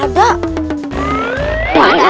aduh ini berapa